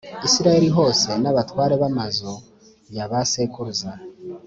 Isirayeli hose n abatware b amazu ya ba sekuruza